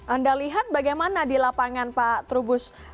anda lihat bagaimana di lapangan pak trubus